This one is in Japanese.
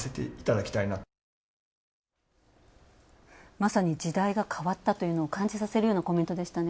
まさに時代が変わったというのを感じさせるようなコメントでしたね。